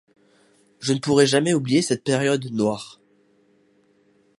Je ne pourrai jamais oublier cette période noire.